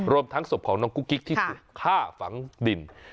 รวมทั้งศพของน้องกุ๊กกิ๊กที่ถูกฆ่าฝังดิน